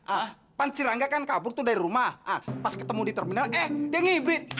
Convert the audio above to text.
ah pan sirangga kan kabur tuh dari rumah pas ketemu di terminal eh dia ngibrid